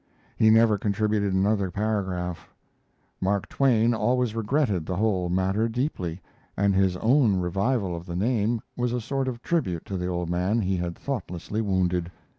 He never contributed another paragraph. Mark Twain always regretted the whole matter deeply, and his own revival of the name was a sort of tribute to the old man he had thoughtlessly wounded.